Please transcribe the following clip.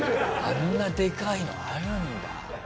あんなでかいのあるんだ。